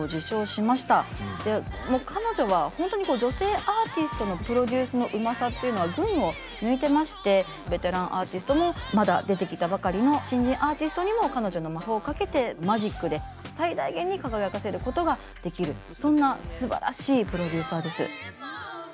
でもう彼女は本当にこう女性アーティストのプロデュースのうまさっていうのは群を抜いてましてベテランアーティストもまだ出てきたばかりの新人アーティストにも彼女の魔法をかけてマジックで最大限に輝かせることができるそんなすばらしいプロデューサーです。